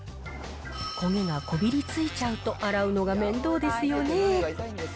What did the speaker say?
焦げがこびりついちゃうと洗うのが面倒ですよね。